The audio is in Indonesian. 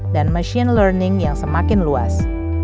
dan machine learning yang semakin luas